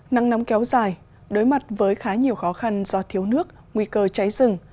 nắng nóng kéo dài đối mặt với khá nhiều khó khăn do thiếu nước nguy cơ cháy rừng